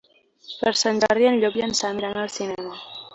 Per Sant Jordi en Llop i en Sam iran al cinema.